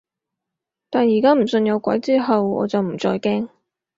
但而家唔信有鬼之後，我就唔再驚